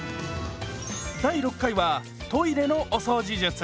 第６回はトイレのお掃除術。